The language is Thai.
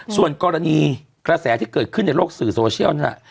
ส่วนกรณีกระแสที่เกิดขึ้นในโลกโซเชียลนั่นแหละ